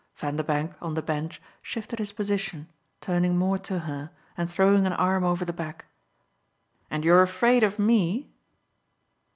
Vanderbank, on the bench, shifted his position, turning more to her and throwing an arm over the back. "And you're afraid of ME?"